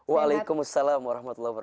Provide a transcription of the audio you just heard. waalaikumsalam wr wb